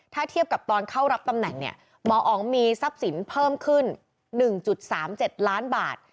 ถ้าเทียบกับตอนเข้ารับตำแหน่งเนี่ยหมออ๋องมีทรัพย์สินเพิ่มขึ้น๑๓๗ล้านบาท